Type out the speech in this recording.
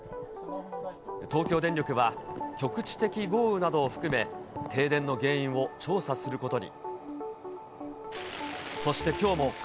東京電力は、局地的豪雨などを含め、停電の原因を調査することに。